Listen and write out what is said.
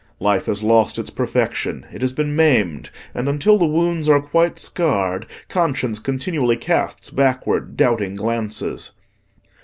Life has lost its perfection: it has been maimed; and until the wounds are quite scarred, conscience continually casts backward, doubting glances.